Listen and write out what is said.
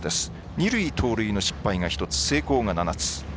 二塁盗塁の失敗が１つ成功が７つ。